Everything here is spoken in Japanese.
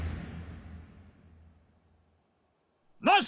なし！